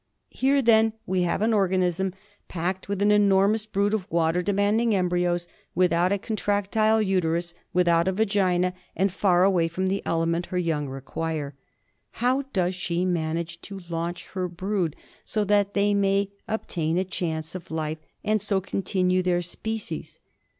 Here, then, we have an organism packed with an enormous brood of water demanding embryos, without a contractile uterus, without a vagina, and far away from the element her young require. How does she manage to launch her brood so that they may obtain a chance of life and so continue their species